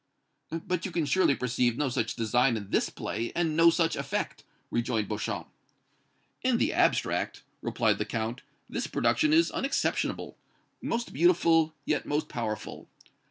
"But you can surely perceive no such design in this play, and no such effect," rejoined Beauchamp. "In the abstract," replied the Count, "this production is unexceptionable most beautiful, yet most powerful.